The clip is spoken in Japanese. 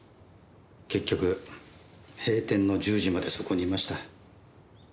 結局閉店の１０時までそこにいました。